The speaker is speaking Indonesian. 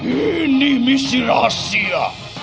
ini misi rahasia